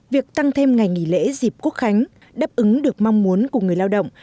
việc tăng thêm ngày nghỉ lễ dịp quốc khánh đáp ứng được mong muốn của người lao động